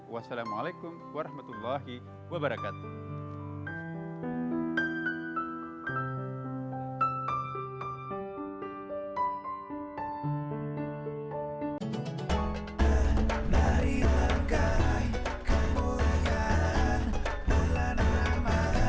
wassalamualaikum warahmatullahi wabarakatuh